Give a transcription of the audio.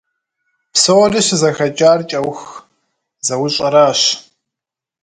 Псори щызэхэкӀар кӀэух зэӀущӀэращ.